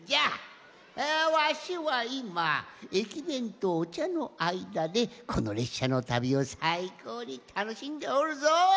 あわしはいまえきべんとおちゃのあいだでこのれっしゃのたびをさいこうにたのしんでおるぞ！